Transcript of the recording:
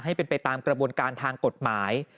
ให้เป็นไปตามกระบวนการทางกฎหมาย